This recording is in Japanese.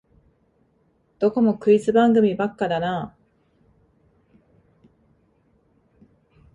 どこもクイズ番組ばっかだなあ